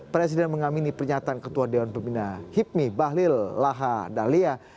presiden mengamini pernyataan ketua dewan pembina hipmi bahlil laha dahlia